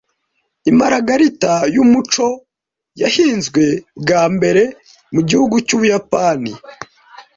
Imaragarita yumuco yahinzwe bwa mbere mugihugu cyu Buyapani